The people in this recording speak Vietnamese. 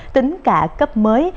tính cả cấp mới